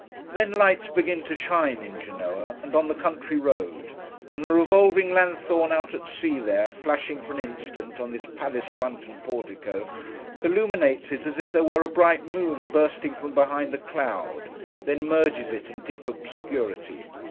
Then, lights begin to shine in Genoa, and on the country road; and the revolving lanthorn out at sea there, flashing, for an instant, on this palace front and portico, illuminates it as if there were a bright moon bursting from behind a cloud; then, merges it in deep obscurity.